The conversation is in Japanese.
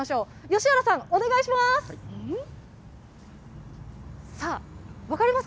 吉原さん、お願いします。